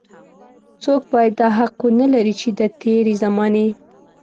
څوک بايد دا حق ونه لري چې د تېرې زمانې.